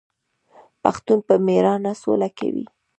پښتون په میړانه سوله کوي.